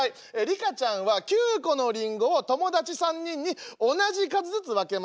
リカちゃんは９個のリンゴを友達３人に同じ数ずつ分けました。